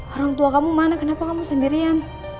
orang tua kamu mana kenapa kamu sendirian